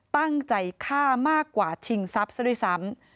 ตั้งใจฆ่ามากกว่าชิงทรัพย์ซะด้วยซ้ำ